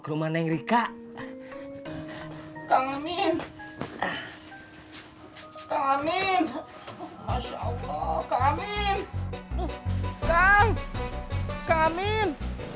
kemana yang rika kang amin amin masya allah amin amin